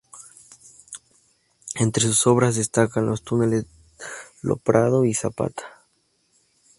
Entre sus obras destacan los Túneles Lo Prado y Zapata.